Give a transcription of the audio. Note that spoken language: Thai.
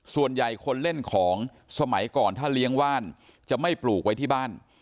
ส่วนใหญ่คนเล่นของสมัยก่อนถ้าเลี้ยงว่านจะไม่ปลูกไว้ที่บ้าน